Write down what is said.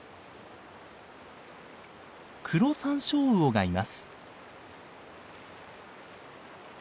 クロサンショウウオがいます。